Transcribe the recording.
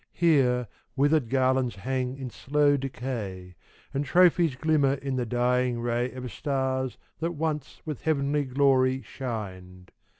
Here, withered garlands hang in slow decay, And trophies glimmer in the dying ray Of stars that once with heavenly glory shined.